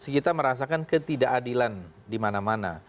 kita merasakan ketidakadilan dimana mana